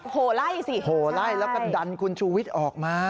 โหไล่สิโหไล่แล้วก็ดันคุณชูวิทย์ออกมา